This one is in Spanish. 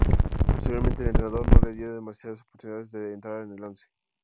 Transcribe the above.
Posteriormente el entrenador no le dio demasiadas oportunidades de entrar en el once.